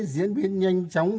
diễn biến nhanh chóng